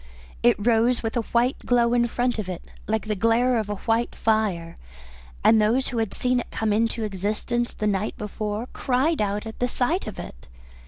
It rose with a white glow in front of it, like the glare of a white fire, and those who had seen it come into existence the night before cried out at the sight of it.